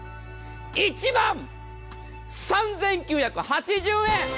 １万３９８０円！